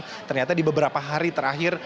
dan ternyata di beberapa hari terakhir